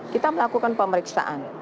kita melakukan pemeriksaan